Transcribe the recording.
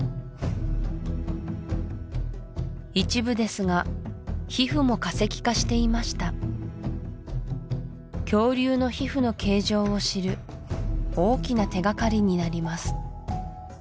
一部ですが皮膚も化石化していました恐竜の皮膚の形状を知る大きな手がかりになります